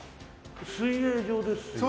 水泳場ですよね？